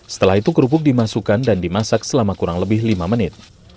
setelah itu kerupuk dimasukkan dan dimasak selama kurang lebih lima menit